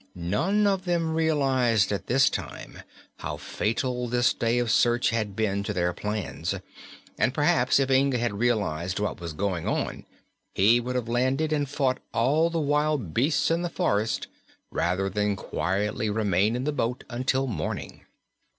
None of them realized at this time how fatal this day of search had been to their plans and perhaps if Inga had realized what was going on he would have landed and fought all the wild beasts in the forest rather than quietly remain in the boat until morning.